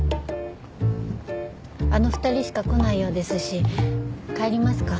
あの２人しか来ないようですし帰りますか。